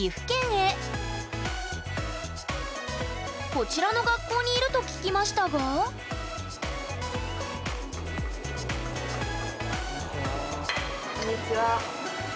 こちらの学校にいると聞きましたがこんにちは。